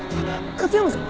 勝山さん！